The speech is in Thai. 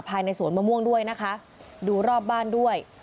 ภายในสวนมะม่วงด้วยนะคะดูรอบบ้านด้วย